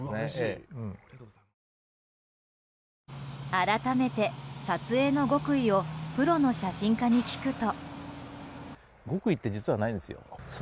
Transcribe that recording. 改めて撮影の極意をプロの写真家に聞くと。